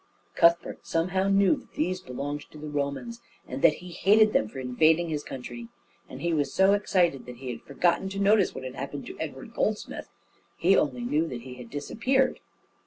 Cuthbert somehow knew that these belonged to the Romans, and that he hated them for invading his country; and he was so excited that he had forgotten to notice what had happened to Edward Goldsmith. He only knew that he had disappeared.